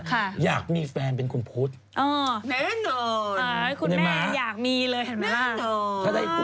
ค่ะอยากมีแฟนเป็นคุณพุทธ